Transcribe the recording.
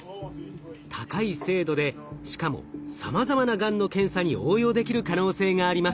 高い精度でしかもさまざまながんの検査に応用できる可能性があります。